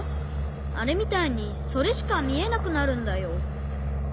あれみたいにそれしかみえなくなるんだよ。